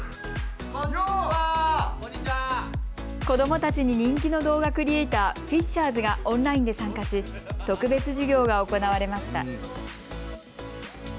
子どもたちに人気の動画クリエーター、フィッシャーズがオンラインで参加し特別授業が行われました。